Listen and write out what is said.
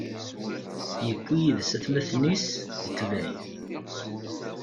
Iwwi yid-s atmaten-is, itebɛ-it;